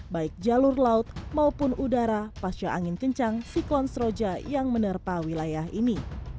baik jalur laut maupun udara pasca angin kencang siklon seroja yang menerpa wilayah ini